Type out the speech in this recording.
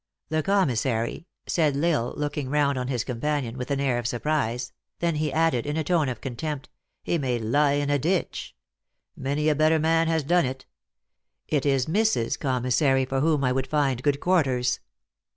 "The commissary !" said L Isle, looking round on his companion with an air of surprise ; then he added, in a tone of contempt, " he may lie in a ditch. Many a better man has done it. It is Mrs. Commissary for whom I would find good quarters."